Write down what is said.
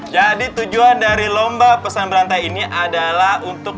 jadi tujuannya dari lomba pesan berantai ini adalah untuk